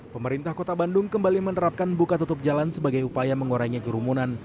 pemerintah kota bandung kembali menerapkan buka tutup jalan sebagai upaya mengurainya kerumunan